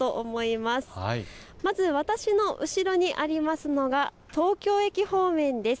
まず私の後ろにありますのは東京駅方面です。